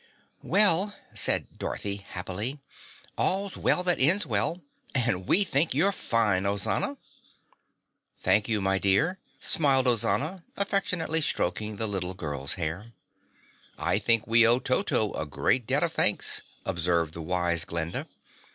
"Well," said Dorothy happily, "all's well that ends well, an' we think you're fine, Ozana." "Thank you, my dear," smiled Ozana, affectionately stroking the little girl's hair. "I think we owe Toto a great debt of thanks," observed the wise Glinda.